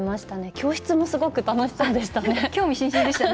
教室もすごく楽しそうでしたね。